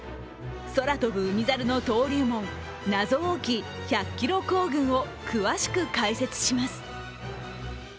空飛ぶ海猿の登竜門謎多き１００ｋｍ行軍を詳しく解説します。